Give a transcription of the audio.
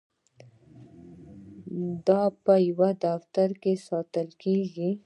دا په یو دفتر کې ساتل کیږي.